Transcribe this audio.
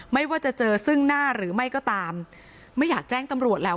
ไม่ว่าจะเจอซึ่งหน้าหรือไม่ก็ตามไม่อยากแจ้งตำรวจแล้ว